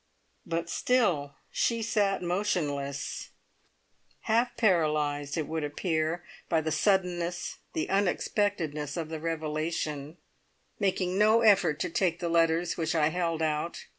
But still she sat motionless, half paralysed, it would appear, by the suddenness, the unexpectedness of the revelation, making no effort to take the letters which I held out.